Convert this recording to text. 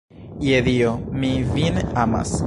Je Dio, mi vin amas.